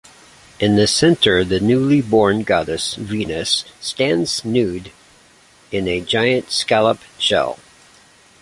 In the centre the newly-born goddess Venus stands nude in a giant scallop shell.